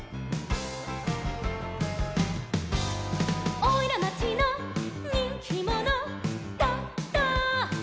「おいらまちのにんきもの」「ドド」